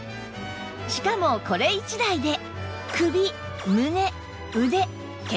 しかもこれ１台で